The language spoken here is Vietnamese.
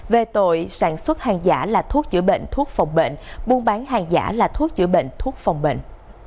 về tội sản xuất hàng giả là thuốc chữa bệnh thuốc phòng bệnh buôn bán hàng giả là thuốc chữa bệnh thuốc phòng bệnh